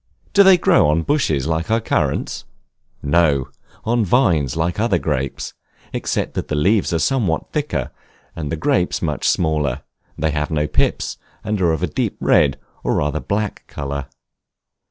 Do they grow on bushes like our Currants? No, on vines like other grapes, except that the leaves are somewhat thicker, and the grapes much smaller: they have no pips, and are of a deep red, or rather black color.